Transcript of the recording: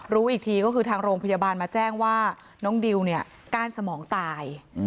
รู้อีกทีก็คือทางโรงพยาบาลมาแจ้งว่าน้องดิวเนี่ยก้านสมองตาย